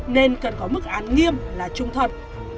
nên cần có mức án nghiêm là trung thật